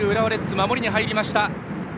守りに入りました。